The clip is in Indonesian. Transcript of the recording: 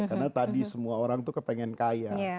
karena tadi semua orang itu kepengen kaya